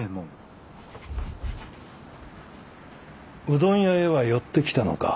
うどん屋へは寄ってきたのか？